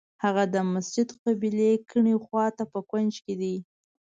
هغه د مسجد قبلې کیڼې خوا ته په کونج کې دی.